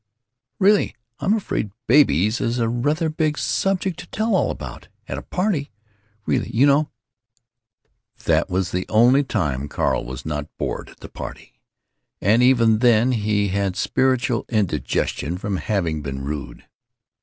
"Really, I'm afraid babies is rather a big subject to tell all about! At a party! Really, you know——" That was the only time Carl was not bored at the party. And even then he had spiritual indigestion from having been rude.